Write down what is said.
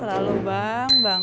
selalu bang bang